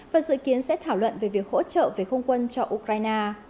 và dự kiến sẽ thảo luận về việc hỗ trợ về không quân cho ukraine